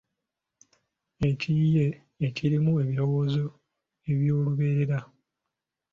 Ekiyiiye ekirimu ebirowoozo eby’olubeerera